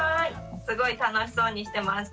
すごい楽しそうにしてました。